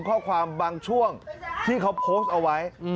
ข้อความบางช่วงที่เขาโพสต์เอาไว้